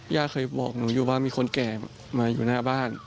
ย่าเคยบอกหนูอยู่ว่ามีคนแก่มาอยู่หน้าบ้าน